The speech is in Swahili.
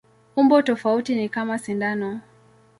Umbo tofauti ni kama sindano.